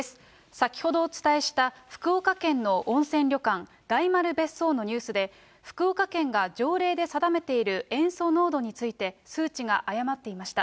先ほどお伝えした福岡県の温泉旅館、大丸別荘のニュースで、福岡県が条例で定めている塩素濃度について数値が誤っていました。